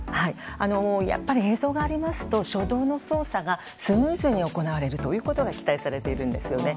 やっぱり映像がありますと初動の捜査がスムーズに行われるということが期待されているんですよね。